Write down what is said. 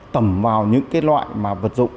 tẩm vào những loại vật dụng